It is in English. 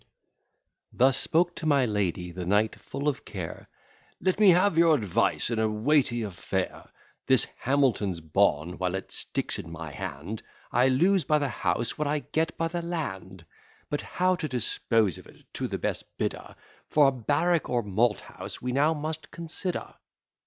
Thus spoke to my lady the knight full of care, "Let me have your advice in a weighty affair. This Hamilton's bawn, while it sticks in my hand I lose by the house what I get by the land; But how to dispose of it to the best bidder, For a barrack or malt house, we now must consider.